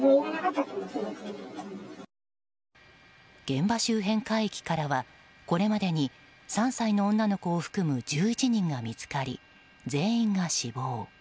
現場周辺海域からはこれまでに３歳の女の子を含む１１人が見つかり全員が死亡。